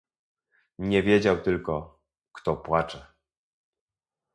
"Nie wiedział tylko, kto płacze..."